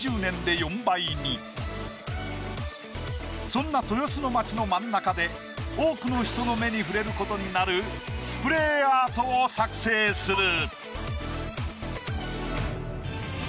そんな豊洲の街の真ん中で多くの人の目に触れることになるスプレーアートを作製する。